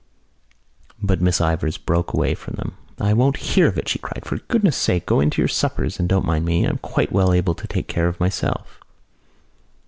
But Miss Ivors broke away from them. "I won't hear of it," she cried. "For goodness' sake go in to your suppers and don't mind me. I'm quite well able to take care of myself."